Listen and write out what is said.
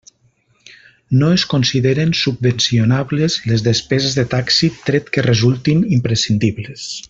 No es consideren subvencionables les despeses de taxi tret que resultin imprescindibles.